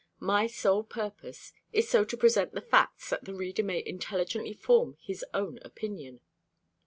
My sole purpose is so to present the facts that the reader may intelligently form his own opinion.